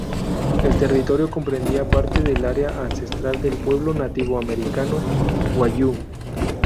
El territorio comprendía parte del área ancestral del pueblo nativo-americano wayúu.